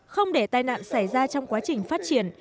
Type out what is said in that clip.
không để tai nạn xảy ra trong quá trình phát triển